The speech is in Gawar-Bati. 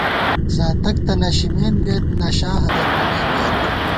زاتک تہ نشِمېن گئیت، نشا ہَدت بمېن گئیت